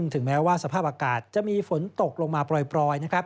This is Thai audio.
ถึงแม้ว่าสภาพอากาศจะมีฝนตกลงมาปลอย